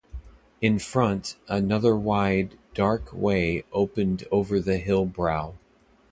In front, another wide, dark way opened over the hill brow.